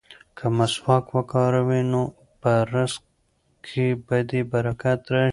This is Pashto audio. که مسواک وکاروې نو په رزق کې به دې برکت راشي.